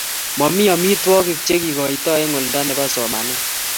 Mamito amitwogik che kikoitoi eng' oldo nebo somanet